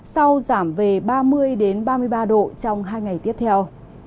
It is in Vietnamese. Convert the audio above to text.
sau giảm về ba mươi ba mươi ba độ trong hai ngày tiếp theo